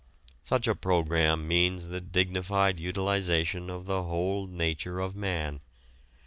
Such a program means the dignified utilization of the whole nature of man.